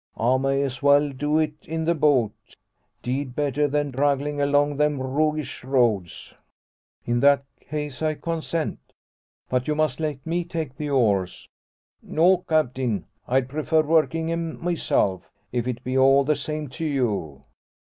I may as well do it in the boat 'deed better than dragglin' along them roughish roads." "In that case I consent. But you must let me take the oars." "No, Captain. I'd prefer workin' 'em myself; if it be all the same to you."